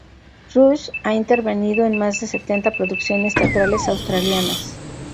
Rush ha intervenido en más de setenta producciones teatrales australianas.